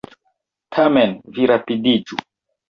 Tamen, vi rapidiĝu!